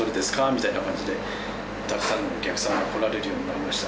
みたいな感じで、たくさんのお客さんが来られるようになりました。